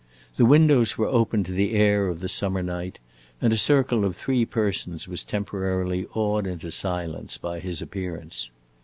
The windows were open to the air of the summer night, and a circle of three persons was temporarily awed into silence by his appearance.